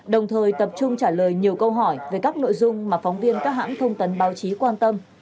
đồng thời tập trung trả lời nhiều câu hỏi về các nội dung mà phóng viên các hãng thông tấn báo chí quan tâm